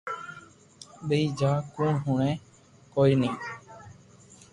ٻيئي جا ڪون ھوڻي ڪوئي ني